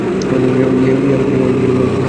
ইহার উপরে ঐ বিজ্ঞানের অনুসন্ধান আর যাইতে পারে না।